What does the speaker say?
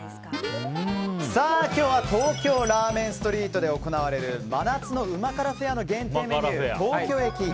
今日は東京ラーメンストリートで行われる真夏の旨辛フェアの限定メニュー